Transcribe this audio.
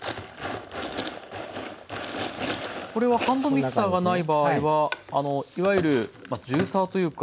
これはハンドミキサーがない場合はいわゆるジューサーというか。